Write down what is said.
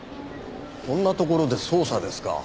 こんなところで捜査ですか？